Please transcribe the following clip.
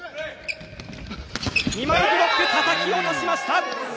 ２枚ブロックたたき落としました！